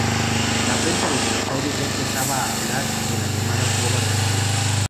La prensa de Buenos Aires ya empezaba a hablar de la llamada Trova Rosarina.